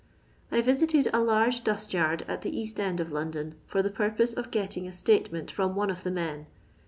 I visited a large dust yard at the east end of London, for the purpose of getting a statement from one of the men.